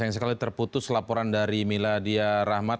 sayang sekali terputus laporan dari miladia rahmat